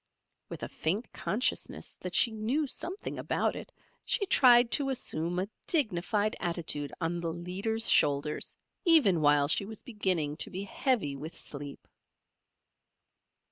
With a faint consciousness that she knew something about it, she tried to assume a dignified attitude on the leader's shoulders even while she was beginning to be heavy with sleep.